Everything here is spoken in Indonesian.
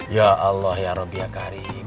ya allah ya rabbi ya karim